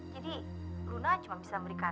jadi luna cuma bisa memberikan dengan